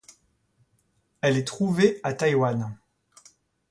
Elle est trouvée à Taïwan.